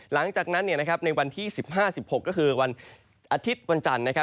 หลังจากนั้นในวันที่๑๕๑๖ก็คือวันอาทิตย์วันจันทร์